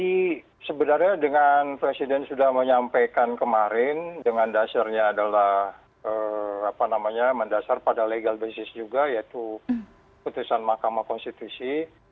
jadi sebenarnya dengan presiden sudah menyampaikan kemarin dengan dasarnya adalah apa namanya mendasar pada legal basis juga yaitu ketusan mahkamah konstitusi